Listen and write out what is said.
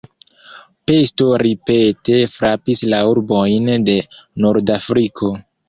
Pesto ripete frapis la urbojn de Nordafriko.